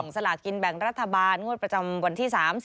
สลากินแบ่งรัฐบาลงวดประจำวันที่๓๐